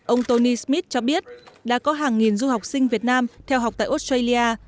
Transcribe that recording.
ông tony smith cho biết đã có hàng nghìn du học sinh việt nam theo học tại australia